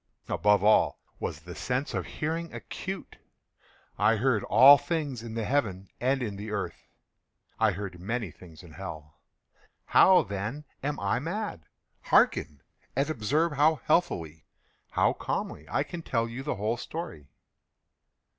Above all was the sense of hearing acute. I heard all things in the heaven and in the earth. I heard many things in hell. How, then, am I mad? Hearken! and observe how healthily—how calmly I can tell you the whole story.